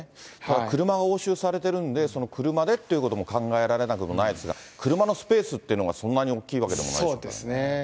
車が押収されてるんで、その車でっていうことも考えられなくもないんですが、車のスペースっていうのがそんなに大きいわけでもないですからね。